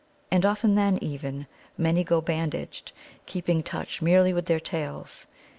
And often then, even, many go bandaged, keeping touch merely with their tails.